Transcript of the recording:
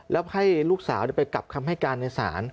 แล้วให้ลูกสาวไปกลับคำให้การในศาล